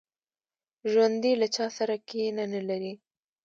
ژوندي له چا سره کینه نه لري